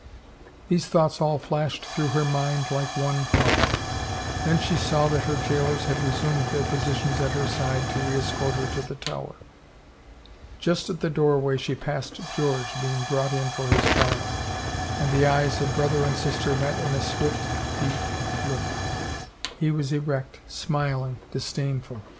These thoughts all flashed through her mind like one thought ; then she saw that her jailers had resumed their positions at her side to reescort her to the Tower. Just at the doorway she passed George being brought in for his trial and the eyes of brother and sister met in a swift, deep look. He was erect, smiling, disdainful.